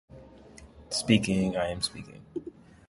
At that time Lockhart was the largest lumber mill in the United States.